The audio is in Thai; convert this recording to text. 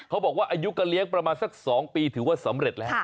เขาบอกว่าอายุการเลี้ยงประมาณสัก๒ปีถือว่าสำเร็จแล้ว